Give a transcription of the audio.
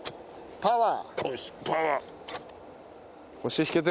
パワー！